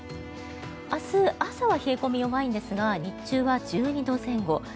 明日朝は冷え込みが弱いんですが日中は１２度前後。